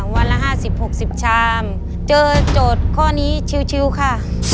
วันละห้าสิบหกสิบชามเจอโจทย์ข้อนี้ชิ้วชิ้วค่ะ